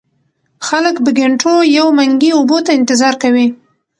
خلک په ګېنټو يو منګي اوبو ته انتظار کوي ـ